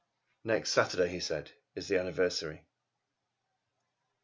"Next Saturday," he said, "is the anniversary!"